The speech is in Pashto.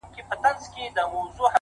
o د زرو قدر زرگر لري!